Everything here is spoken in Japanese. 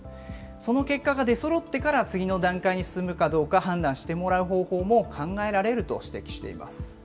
その結果が出そろってから次の段階に進むかどうか判断してもらう方法も考えられると指摘しています。